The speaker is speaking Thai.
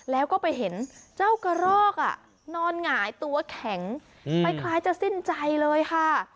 แล้วก็ไปเห็นเจ้ากระรอกนอนหงายตัวแข็งคล้ายจะสิ้นใจเลยค่ะ